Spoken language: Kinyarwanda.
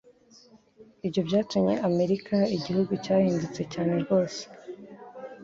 Ibyo byatumye Amerika igihugu cyahindutse cyane rwose